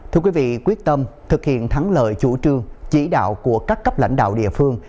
thưa quý vị quyết tâm thực hiện thắng lợi chủ trương chỉ đạo của các cấp lãnh đạo địa phương